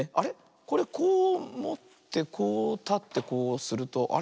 これこうもってこうたってこうするとあれ？